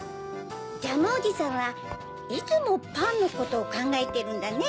ジャムおじさんはいつもパンのことをかんがえてるんだネ。